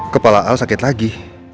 kepala al sakit lagi